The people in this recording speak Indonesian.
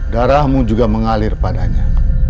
darahmu juga mengalir padanya